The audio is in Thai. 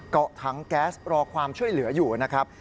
เกาะถังแก๊สรอความช่วยเหลืออยู่นะครับ